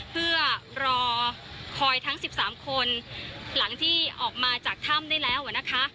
เพื่อรอคอยทั้ง๑๓คนหลังที่ออกมาจากถ้ำได้แล้วนะคะ